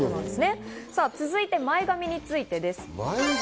続いて前髪についてです。